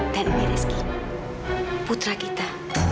dan ini rizky putra kita